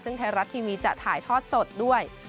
ซึ่งไทยรัฐทีวีจะถ่ายทอดสดด้วย